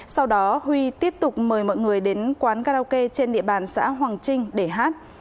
sau đó huy tiếp tục mời mọi người đến quán karaoke trên địa bàn xã hoàng trinh để hát